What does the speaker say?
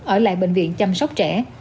ở lại bệnh viện chăm sóc trẻ